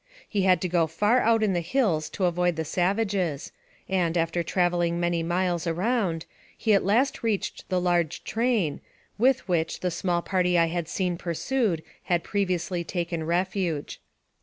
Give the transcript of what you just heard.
He had to go far out in the hills to avoid the savages, and, after traveling many miles around, he at last reached the large train, with which the small party I had seen pursued had previously taken refuge.